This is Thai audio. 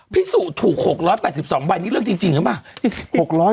พี่สุถูก๖๘๒ใบนี่เรื่องจริงหรือเปล่า